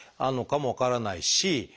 あるのかも分からないし。